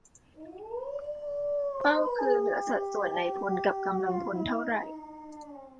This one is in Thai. - เป้าคือเหลือสัดส่วนนายพลกับกำลังพลเท่าไหร่